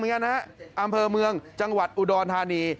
ฮะอำเภอเมืองจังหวัดอุดรธานี